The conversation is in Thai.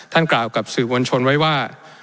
ท่านกล่าวกับสื่อวัญชนไว้ว่า